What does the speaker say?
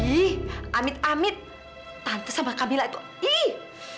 ih amit amit tante sama kabila itu ih